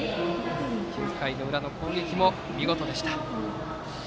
９回裏の攻撃も見事でした。